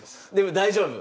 大丈夫。